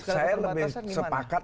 saya lebih sepakat